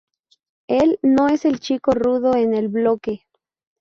Él no es el chico rudo en el bloque.